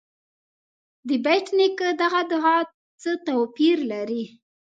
د بېټ نیکه دغه دعا څه توپیر لري.